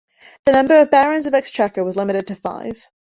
The number of Barons of Exchequer was limited to five.